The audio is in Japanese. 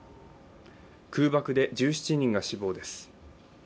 空爆で１７人が死亡です。